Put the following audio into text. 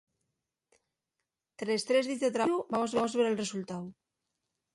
Tres trés díes de trabayu vamos ver el resultáu.